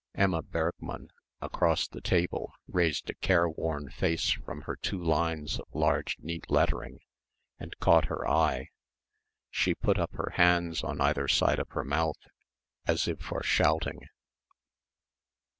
Emma Bergmann across the table raised a careworn face from her two lines of large neat lettering and caught her eye. She put up her hands on either side of her mouth as if for shouting.